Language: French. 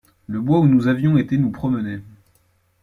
Le bois où nous avions été nous promener.